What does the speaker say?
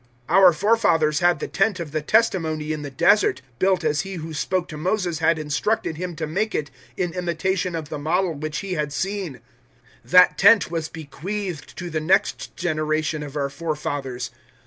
007:044 "Our forefathers had the Tent of the Testimony in the Desert, built as He who spoke to Moses had instructed him to make it in imitation of the model which he had seen. 007:045 That Tent was bequeathed to the next generation of our forefathers.